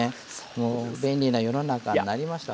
もう便利な世の中になりました。